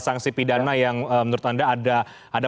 sanksi pidana yang menurut anda ada